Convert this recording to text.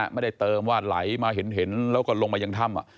ไม่ได้เติมว่าไหลมาเห็นแล้วก็ลงมายังถ้ำ